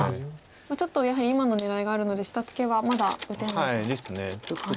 ちょっとやはり今の狙いがあるので下ツケはまだ打てないと。